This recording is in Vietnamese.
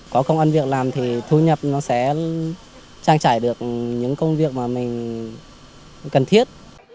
có công an việc làm thì thu nhập nó sẽ trang trải được những công việc mà mình cần thiết